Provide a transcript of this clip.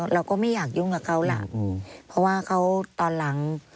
เราก็ไม่อยากยุ่งกับเขาล่ะเพราะว่าเขาตอนหลัง